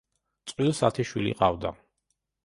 წყვილს ათი შვილი ჰყავდა.